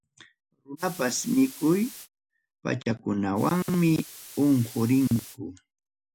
Runapas mikuy pachakunawanmi unqurinku.